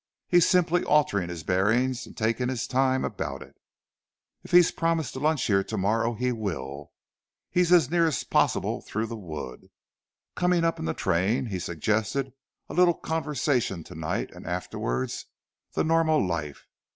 He's simply altering his bearings and taking his time about it. If he's promised to lunch here to morrow, he will. He's as near as possible through the wood. Coming up in the train, he suggested a little conversation to night and afterwards the normal life.